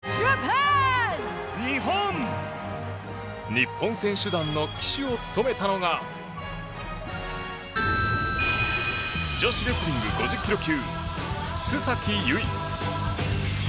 日本選手団の旗手を務めたのが女子レスリング５０ｋｇ級須崎優衣。